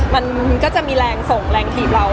มันก็จะมีแรงส่งแรงถีบเรา